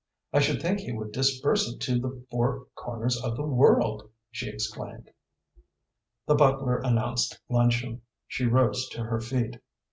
I should think he would disperse it to the four corners of the world!" she exclaimed. The butler announced luncheon. She rose to her feet.